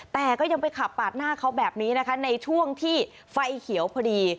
แต่ก็ยังไปขับปาดหน้าเขาแบบนี้นะคะในช่วงที่ไฟเขียวพอดี